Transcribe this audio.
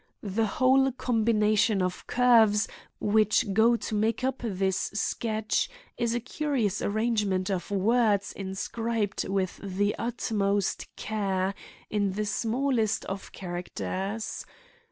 The whole combination of curves which go to make up this sketch is a curious arrangement of words inscribed with the utmost care, in the smallest of characters.